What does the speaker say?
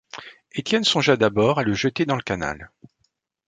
Étienne songea d’abord à le jeter dans le canal.